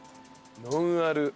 ノンアル。